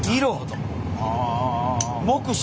目視？